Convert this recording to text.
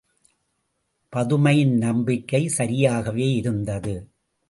பதுமையின் நம்பிக்கை சரியாகவே இருந்தது.